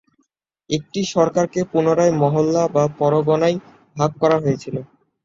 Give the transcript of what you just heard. একটি সরকারকে পুনরায় মহল্লা বা পরগনায় ভাগ করা হয়েছিল।